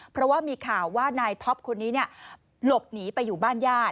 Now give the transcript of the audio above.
เพราะว่ามีข่าวว่านายท็อปคนนี้หลบหนีไปอยู่บ้านญาติ